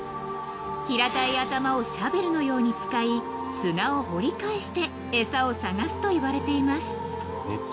［平たい頭をシャベルのように使い砂を掘り返して餌を探すといわれています］